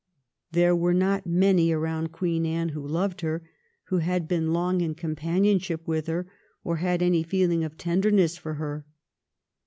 There were not many around Queen Anne who loved her, who had been long in companion ship with her, or had any feeling of tenderness for her.